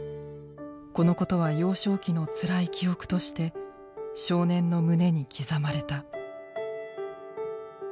このことは幼少期のつらい記憶として少年の胸に刻まれた。